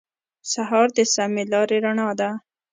سهار د سمې لارې رڼا ده.